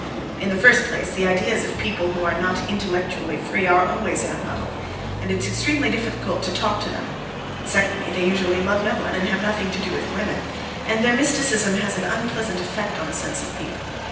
In the first place, the ideas of people who are not intellectually free are always in a muddle, and it's extremely difficult to talk to them; and, secondly, they usually love no one, and have nothing to do with women, and their mysticism has an unpleasant effect on sensitive people.